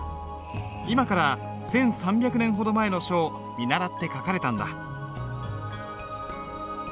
今から１，３００年ほど前の書を見習って書かれたんだ。